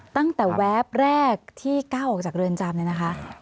ตั้งแต่แวบแรกที่ก้าวออกจากเรือนจำเนี่ยนะคะ